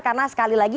karena sekali lagi